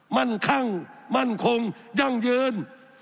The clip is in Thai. มั่นคั่งมั่นคงยั่งยืน